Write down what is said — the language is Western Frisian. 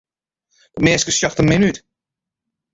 Dat minske sjocht der min út.